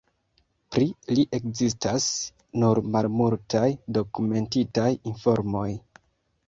Pri li ekzistas nur malmultaj dokumentitaj informoj.